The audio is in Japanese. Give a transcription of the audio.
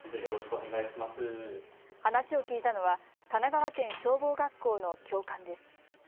話を聞いたのは神奈川県消防学校の教官です。